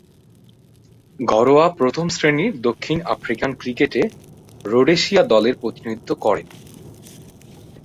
ঘরোয়া প্রথম-শ্রেণীর দক্ষিণ আফ্রিকান ক্রিকেটে রোডেশিয়া দলের প্রতিনিধিত্ব করেন।